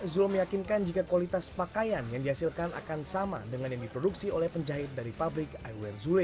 zul meyakinkan jika kualitas pakaian yang dihasilkan akan sama dengan yang diproduksi oleh penjahit dari pabrik iwer zule